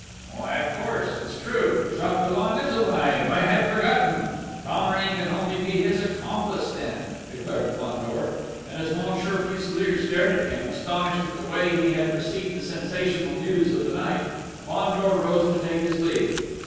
"Why, of course! It's true!... Jacques Dollon is alive.... I had forgotten.... Thomery can only be his accomplice then!" declared Fandor. And as Monsieur Fuselier stared at him, astonished at the way he had received the sensational news of the night, Fandor rose to take his leave.